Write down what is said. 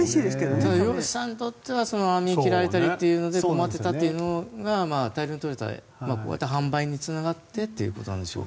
ただ漁師さんにとっては網を切られたりで困っていたというのが大量にとれて販売につながってということなんでしょうが。